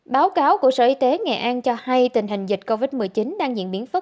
báo cáo của sở y tế nghệ an cho hay tình hình dịch covid một mươi chín đang diễn biến phức